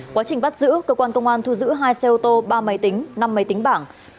quá trình bắt giữ cơ quan công an thu giữ hai xe ô tô ba máy tính năm máy tính bảng